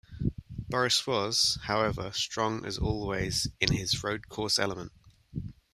Boris was, however, strong as always in his road course element.